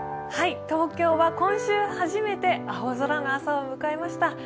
東京は今週初めて青空の朝を迎えました。